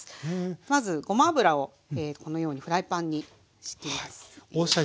まずごま油をこのようにフライパンにしきます。